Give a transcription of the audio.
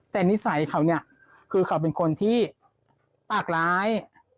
แต่นิสัยเขาเนี่ยคือเขาเป็นคนที่ปากร้าย